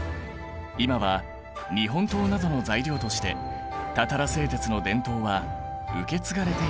今は日本刀などの材料としてたたら製鉄の伝統は受け継がれているんだ。